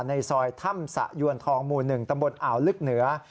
ในซอยถ้ำสะยวนทองหมู่๑ตำบลอ่าวลึกเหนือ